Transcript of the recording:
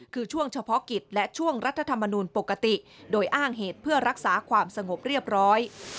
คือช่วงเฉพาะกิจและช่วงรัฐธรรมนูลปกติโดยอ้างเหตุเพื่อรักษาความสงบเรียบร้อย